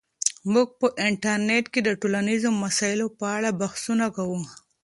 موږ په انټرنیټ کې د ټولنیزو مسایلو په اړه بحثونه کوو.